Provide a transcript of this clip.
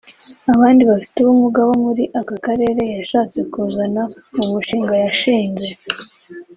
Abandi bafite ubumuga bo muri aka karere yashatse kuzana mu mushinga yashinze